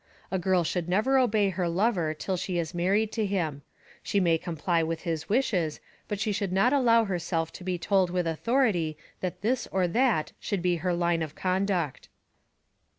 A girl should never obey her lover till she is married to him; she may comply with his wishes, but she should not allow herself to be told with authority that this or that should be her line of conduct.